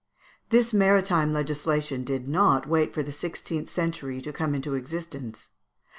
This maritime legislation did not wait for the sixteenth century to come into existence.